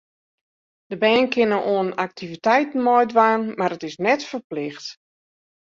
De bern kinne oan aktiviteiten meidwaan, mar it is net ferplicht.